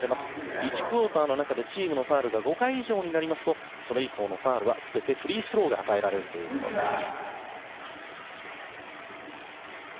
１クオーターの中でチームのファウルが５回以上になりますとそれ以降のファウルには全てフリースローが与えられます。